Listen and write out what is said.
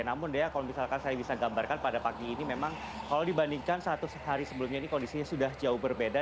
namun dea kalau misalkan saya bisa gambarkan pada pagi ini memang kalau dibandingkan satu hari sebelumnya ini kondisinya sudah jauh berbeda